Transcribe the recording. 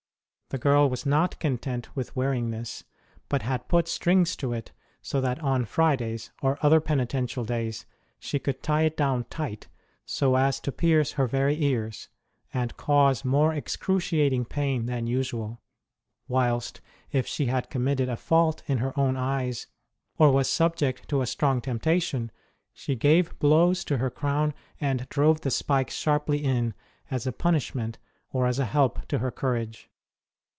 The girl was not content with wearing this, but had put strings to it so that on Fridays, or other penitential days, she could tie it down tight so as to pierce her very ears, and cause more excruciating pain than usual ; whilst, if she had committed a fault in her own eyes, or was subject to a strong temptation, she gave blows to her crown and drove the spikes sharply in as a punishment or a help to her courage.